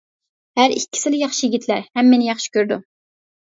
ھەر ئىككىسىلا ياخشى يىگىتلەر ھەم مېنى ياخشى كۆرىدۇ.